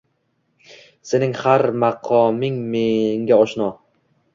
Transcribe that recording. Sening har maqoming menga oshino.